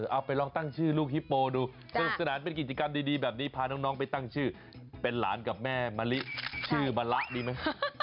เอาไปลองตั้งชื่อลูกฮิปโปดูสนุกสนานเป็นกิจกรรมดีแบบนี้พาน้องไปตั้งชื่อเป็นหลานกับแม่มะลิชื่อมะละดีไหม